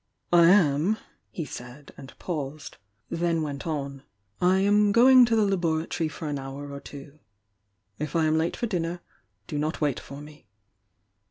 "I am —" he said, and paused, — then went on — "I am going to the laboratory for an hour or two. If I am late for dinner, do not wait for me."